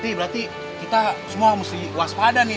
berarti kita semua mesti waspada nih